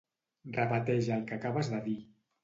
Repeteix el que acabes de dir.